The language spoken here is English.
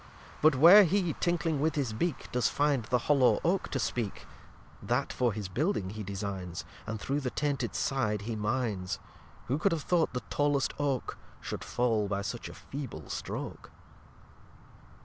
But where he, tinkling with his Beak, Does find the hollow Oak to speak, That for his building he designs, And through the tainted Side he mines. Who could have thought the tallest Oak Should fall by such a feeble Stroke!